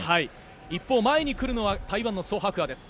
一方、前に来るのは台湾のソ・ハクアです。